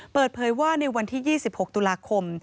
เปิดเผยว่าในวันที่๒๖ตุลาคม